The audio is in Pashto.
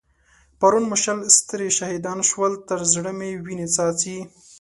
پرون مو شل سترې شهيدان شول؛ تر زړه مې وينې څاڅي.